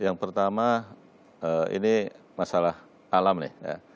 yang pertama ini masalah alam nih